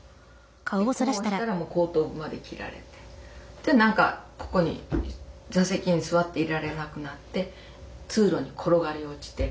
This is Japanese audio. でこうしたら後頭部まで切られて何かここに座席に座っていられなくなって通路に転がり落ちて。